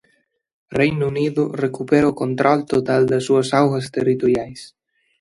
Reino Undo recupera o control total das súas augas territoriais.